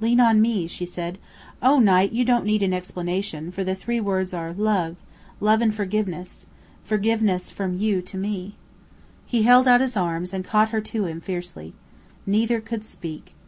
"Lean on me," she said. "Oh, Knight, you don't need an explanation, for the three words are, love love and forgiveness. Forgiveness from you to me." He held out his arms, and caught her to him fiercely. Neither could speak.